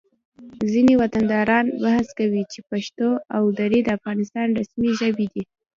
ځینې وطنداران بحث کوي چې پښتو او دري د افغانستان رسمي ژبې دي